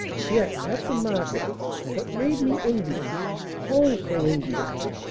Yet, at the market, what made me envious oh, so envious!